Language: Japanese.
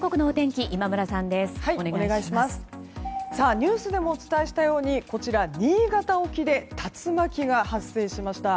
ニュースでもお伝えしたように新潟沖で竜巻が発生しました。